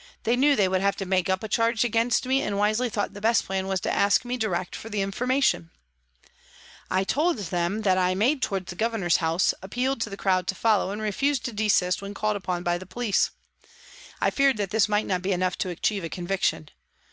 " They knew they would have to make up a charge against me, and wisely thought the best plan was to ask me direct for information ! I told them that I made towards the Governor's house, appealed to the crowd to follow, and refused to desist when called upon by the police. I feared that this might not be enough to achieve a conviction.